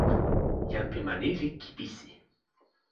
jan pi ma ni li kipisi.